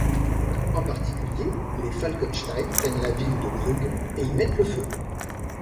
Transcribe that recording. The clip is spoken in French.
En particulier, les Falkenstein prennent la ville de Brugg et y mettent le feu.